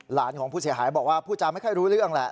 ของผู้เสียหายบอกว่าพูดจาไม่ค่อยรู้เรื่องแหละ